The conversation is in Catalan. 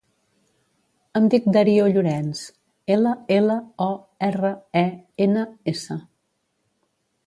Em dic Dario Llorens: ela, ela, o, erra, e, ena, essa.